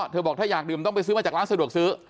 บอกถ้าอยากดื่มต้องไปซื้อมาจากร้านสะดวกซื้อ